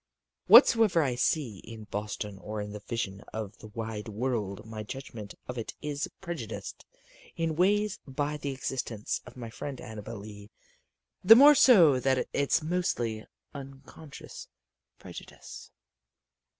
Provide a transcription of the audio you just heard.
Whatsoever I see in Boston or in the vision of the wide world my judgment of it is prejudiced in ways by the existence of my friend Annabel Lee the more so that it's mostly unconscious prejudice.